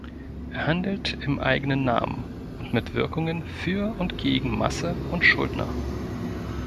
Er handelt im eigenen Namen und mit Wirkungen für und gegen Masse und Schuldner.